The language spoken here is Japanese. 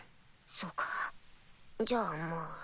そうかじゃあまぁ。